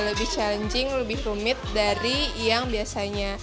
lebih challenging lebih rumit dari yang biasanya